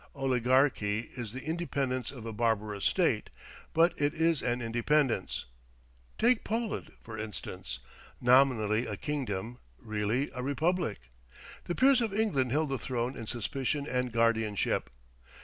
Oligarchy is the independence of a barbarous state, but it is an independence. Take Poland, for instance, nominally a kingdom, really a republic. The peers of England held the throne in suspicion and guardianship.